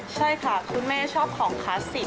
ใช่ค่ะคุณแม่ชอบของคลาสสิก